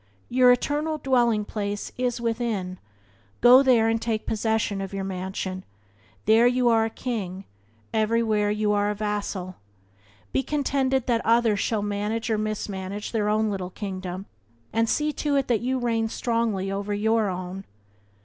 Your eternal dwelling place is within; go there and take possession of your mansion; there you are a king, elsewhere you are a vassal. Be contended that others shall manage or mismanage their own little kingdom, and see to it that you reign strongly over your own.